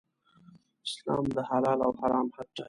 اسلام د حلال او حرام حد ټاکي.